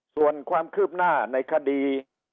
ส่วนความคืบหน้าในคดี